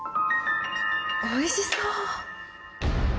おいしそう